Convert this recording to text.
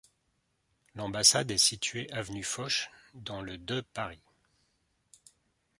L'ambassade est située avenue Foch dans le de Paris.